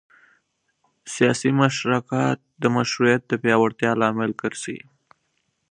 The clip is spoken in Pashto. سیاسي مشارکت د مشروعیت د پیاوړتیا لامل ګرځي